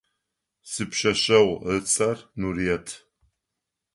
Сипшъэшъэгъу ыцӏэр Нурыет.